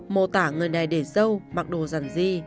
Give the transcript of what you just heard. mô tả người này để dâu mặc đồ rằng di